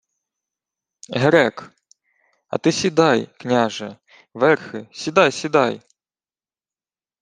— Грек. А ти сідай, княже, верхи, сідай, сідай!